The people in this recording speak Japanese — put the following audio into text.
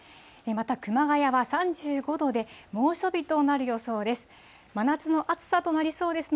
また熊谷は３５度で、猛暑日となる予想です。